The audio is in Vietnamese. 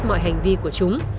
mọi hành vi của chúng